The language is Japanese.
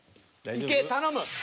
いけっ頼む。